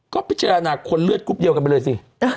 ก็พิจารณาคนเลือดกรุ๊ปเดียวกันไปเลยสิ